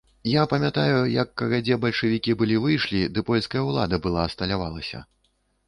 Я памятаю, як кагадзе бальшавікі былі выйшлі, ды польская ўлада была асталявалася.